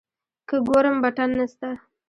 که ګورم بټن نسته.